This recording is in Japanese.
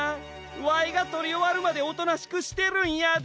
わいがとりおわるまでおとなしくしてるんやで。